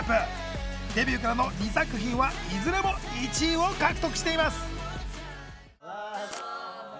デビューからの２作品はいずれも１位を獲得しています。